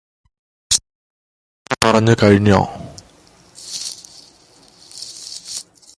യാത്ര പറഞ്ഞു കഴിഞ്ഞോ